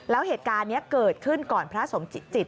แล้วเหตุการณ์นี้เกิดขึ้นก่อนพระสมจิต